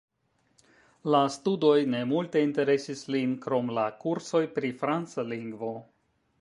La studoj ne multe interesis lin krom la kursoj pri franca lingvo.